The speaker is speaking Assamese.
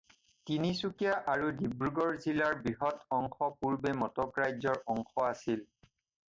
তিনিচুকীয়া আৰু ডিব্ৰুগড় জিলাৰ বৃহৎ অংশ পূৰ্বে মটক ৰাজ্যৰ অংশ আছিল।